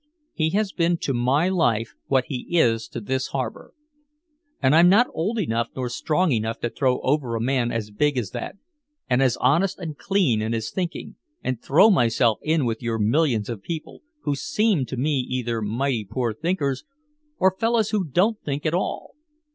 He has been to my life what he is to this harbor. And I'm not old enough nor strong enough to throw over a man as big as that and as honest and clean in his thinking, and throw myself in with your millions of people, who seem to me either mighty poor thinkers or fellows who don't think at all.